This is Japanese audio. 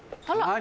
何？